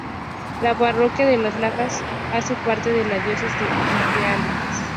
La parroquia de Las Lajas hace parte de la Diócesis de Ipiales.